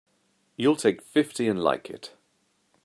You'll take fifty and like it!